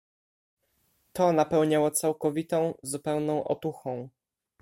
"To napełniało całkowitą, zupełną otuchą."